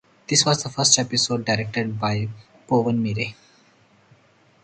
This was the first episode directed by Povenmire.